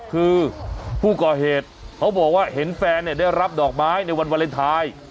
คือผู้ก่อเหตุเขาบอกว่าเห็นแฟนได้รับดอกไม้ในวันวาเลนไทย